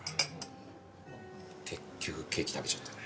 結局ケーキ食べちゃったね。